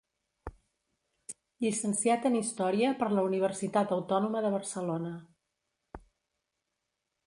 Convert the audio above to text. Llicenciat en història per la Universitat Autònoma de Barcelona.